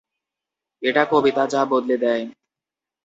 এটা কবিতা যা বদলে দেয়।